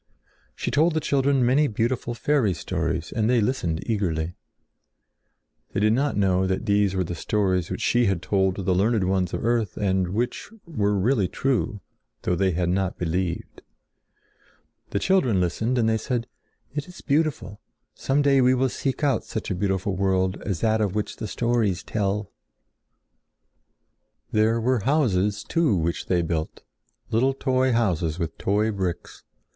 She told the children many beautiful fairy stories and they listened eagerly. They did not know that these were the stories which she had told to the learned ones of the earth and which were really true, though they had not believed. The children listened, and they said: "It is beautiful. Some day we will seek out such a beautiful world as that of which the stories tell." [Illustration: SHE TOLD THE CHILDREN STORIES] There were houses, too, which they built—little toy houses with toy bricks.